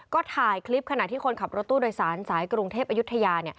ก็ถ่ายคลิปขณะที่คนขับรถตู้โดยสารสายกรุงเทพอายุทยา